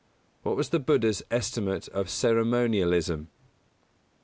_What was the Buddha's estimate of ceremonialism?